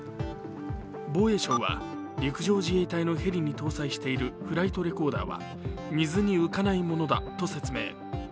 防衛省は、陸上自衛隊のヘリに搭載しているフライトレコーダーは水に浮かないものだと説明。